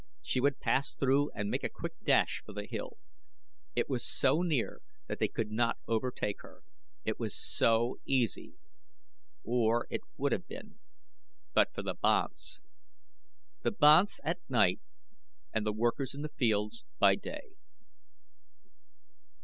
She would pass through and make a quick dash for the hill. It was so near that they could not overtake her. It was so easy! Or it would have been but for the banths! The banths at night and the workers in the fields by day.